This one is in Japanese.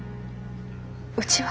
うちは？